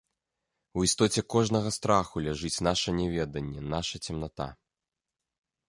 У істоце кожнага страху ляжыць наша няведаньне, наша цемната